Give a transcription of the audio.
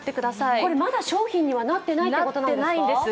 これまだ商品にはなってないってことなんですか？